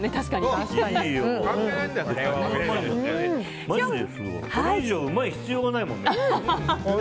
これ以上うまい必要がないもん。